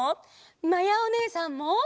まやおねえさんも！